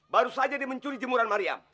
baru saja dia mencuri jemuran mariam